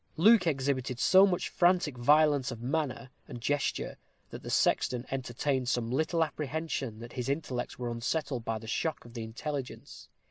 Luke exhibited so much frantic violence of manner and gesture, that the sexton entertained some little apprehension that his intellects were unsettled by the shock of the intelligence.